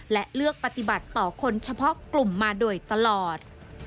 และเลือกปฏิบัติต่อคนเฉพาะกลุ่มมาโดยตลอด